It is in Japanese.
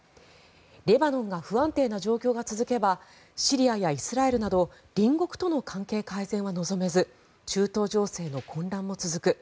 レバノンが不安定な状況が続けばシリアやイスラエルなど隣国との関係改善は望めず中東情勢の混乱も続く。